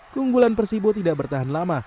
keunggulan persibo tidak bertahan lama